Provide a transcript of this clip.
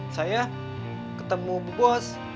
saya ketemu bu bos